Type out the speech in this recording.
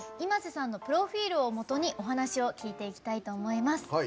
ｉｍａｓｅさんのプロフィールをもとにお話を聞いていきたいと思います。